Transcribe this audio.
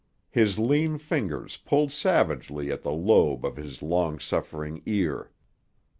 His lean fingers pulled savagely at the lobe of his long suffering ear.